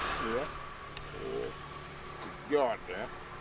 สุดยอดนะสุดยอดนะ